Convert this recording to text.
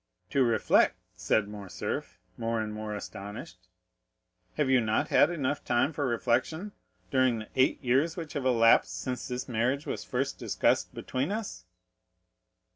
"To reflect?" said Morcerf, more and more astonished; "have you not had enough time for reflection during the eight years which have elapsed since this marriage was first discussed between us?"